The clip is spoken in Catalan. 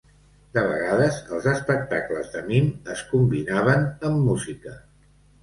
De vegades els espectacles de mim es combinaven amb música.